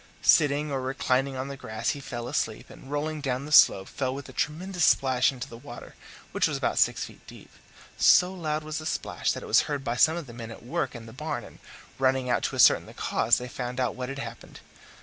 Sitting or reclining on the grass, he fell asleep, and rolling down the slope fell with a tremendous splash into the water, which was about six feet deep. So loud was the splash that it was heard by some of the men at work in the barn, and running out to ascertain the cause, they found out what had happened.